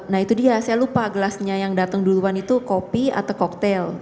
nah itu dia saya lupa gelasnya yang datang duluan itu kopi atau koktel